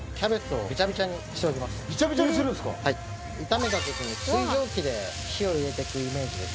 炒めた時に水蒸気で火を入れてくイメージですね。